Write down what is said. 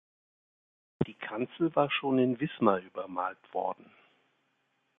Die Kanzel war schon in Wismar übermalt worden.